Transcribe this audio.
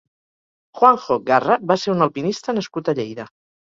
Juanjo Garra va ser un alpinista nascut a Lleida.